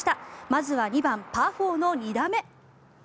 まずは２番、パー４の２打目。